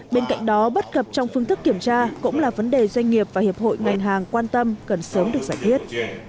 bên cạnh đó bất cập trong phương thức kiểm tra cũng là vấn đề doanh nghiệp và hiệp hội ngành hàng quan tâm cần sớm được giải quyết